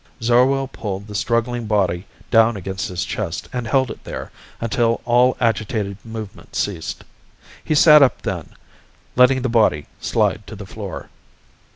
Zarwell pulled the struggling body down against his chest and held it there until all agitated movement ceased. He sat up then, letting the body slide to the floor.